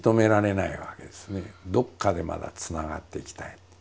どっかでまだつながっていきたい。